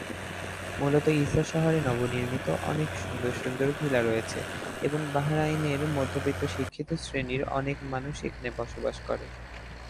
মূলত ইসা শহরে নবনির্মিত অনেক সুন্দর সুন্দর ভিলা রয়েছে এবং বাহরাইনের মধ্যবিত্ত শিক্ষিত শ্রেণীর অনেক মানুষ এখানে বসবাস করে।